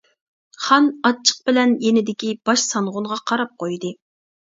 خان ئاچچىق بىلەن يېنىدىكى باش سانغۇنغا قاراپ قويدى.